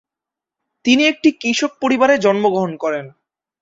তিনি একটি কৃষক পরিবারে জন্মগ্রহণ করেন।